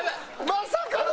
まさかの。